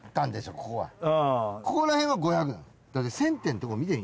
ここら辺は５００だもん。